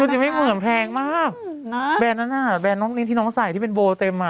แข็งมากแบรนด์นั้นอ่ะแบรนด์นี้ที่น้องใส่ที่เป็นโบเต็มอ่ะ